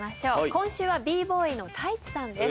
今週はＢ−ＢＯＹのＴａｉｃｈｉさんです。